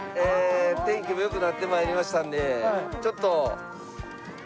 天気も良くなって参りましたのでちょっとええ。